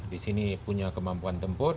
di sini punya kemampuan tempur